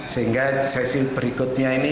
sehingga sesi berikutnya ini